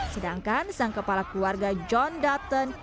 sedangkan sang kepala keluarga john dutton mencari kemampuan untuk mencari kemampuan